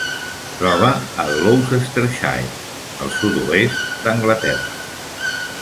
Es troba a Gloucestershire, al sud-oest d'Anglaterra.